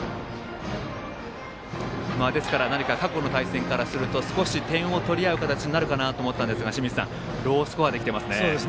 ですから過去の対戦で行くと少し点を取り合う形になるかなと思ったんですが清水さん、ロースコアできてます。